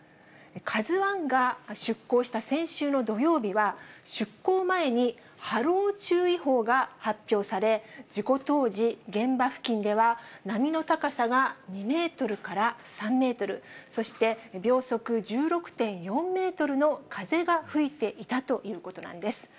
カズワンが出航した先週の土曜日は、出航前に波浪注意報が発表され、事故当時、現場付近では、波の高さが２メートルから３メートル、そして、秒速１６．４メートルの風が吹いていたということなんです。